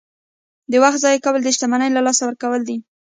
• د وخت ضایع کول د شتمنۍ له لاسه ورکول دي.